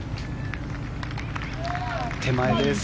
手前です